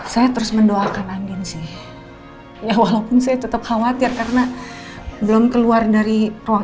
saya terus mendoakan andien ya walaupun saya tetep khawatir karena belum keluar dari ruang